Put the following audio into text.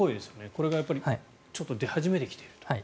これがちょっと出始めてきていると。